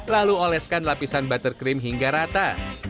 lalu oleskan lapisan buttercream hingga rata